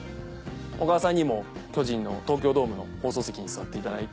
小川さんにも巨人の東京ドームの放送席に座っていただいて。